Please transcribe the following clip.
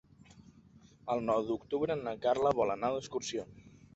El nou d'octubre na Carla vol anar d'excursió.